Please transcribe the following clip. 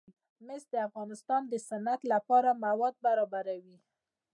مس د افغانستان د صنعت لپاره مواد برابروي.